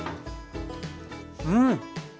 うん！